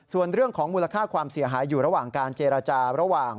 ส่วนเรื่องของมูลค่าความเสียหายอยู่ระหว่างการเจรจาระหว่าง